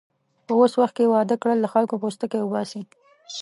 په اوس وخت کې واده کړل، له خلکو پوستکی اوباسي.